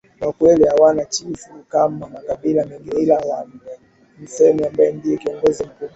Wakwere hawana chifu kama makabila mengine ila wana msemi ambaye ndiye kiongozi mkubwa